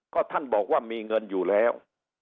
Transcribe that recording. ก็ท่านบอกว่ามีเงินอยู่แล้ว